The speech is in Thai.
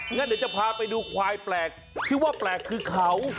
งั้นเดี๋ยวจะพาไปดูควายแปลกที่ว่าแปลกคือเขา